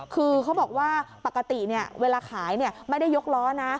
คือเขาบอกว่าปกติเวลาขายไม่ได้ยกล้อนะ